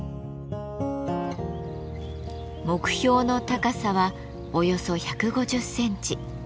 目標の高さはおよそ１５０センチ。